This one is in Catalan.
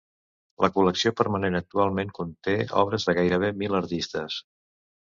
La col·lecció permanent actualment conté obres de gairebé mil artistes.